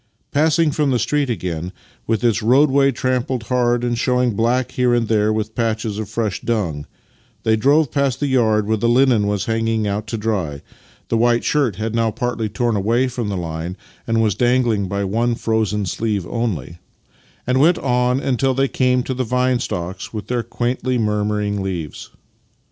Passing from the street again, \\'ith its roadway trampled hard and showing black here and there with patches of fresh dung, they drove past the yard where the linen was hanging out to dry (the white shirt had now partly torn away from the line and was dangling by one frozen sleeve only), and went on until they came to the vine stocks with their quaintly murmuring leaves.